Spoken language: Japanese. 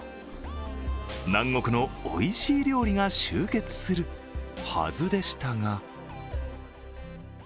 南国のおいしい料理が集結するはずでしたが。